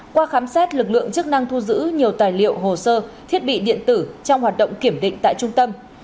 qua khám xét lực lượng chức năng thu giữ nhiều tài liệu hồ sơ thiết bị điện tử trong hoạt động kiểm định tại trung tâm